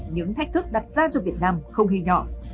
những thách thức đặt ra cho việt nam không hề nhỏ